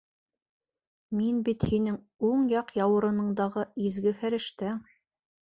Мин бит һинең уң яҡ яурыныңдағы изге фәрештәң.